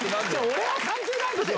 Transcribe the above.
俺は関係ないでしょ！